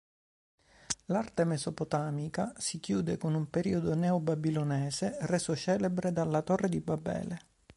L'arte mesopotamica si chiude con un "periodo neo-babilonese" reso celebre dalla Torre di Babele.